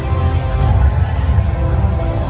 สโลแมคริปราบาล